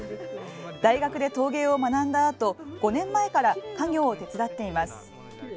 大学で陶芸を学んだあと５年前から家業を手伝っています。